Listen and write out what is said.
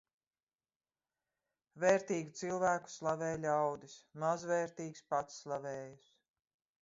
Vērtīgu cilvēku slavē ļaudis, mazvērtīgs pats slavējas.